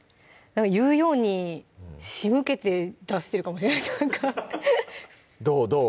言うように仕向けて出してるかもしれない「どうどう？」